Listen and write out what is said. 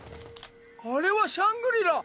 あれはシャングリラ！